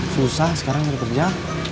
susah sekarang kerja